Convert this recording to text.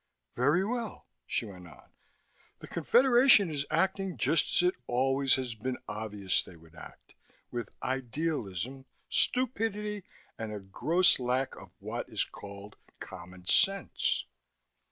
"Very well," she went on. "The Confederation is acting just as it has always been obvious they would act: with idealism, stupidity and a gross lack of what is called common sense."